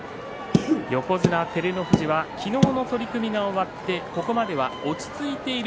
横綱照ノ富士は昨日の取組が終わって、ここまでは落ち着いている。